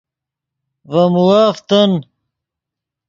ڤے مووف تن